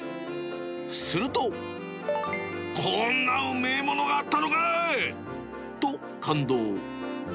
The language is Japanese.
すると、こんなうめえものがあったのか！と、感動。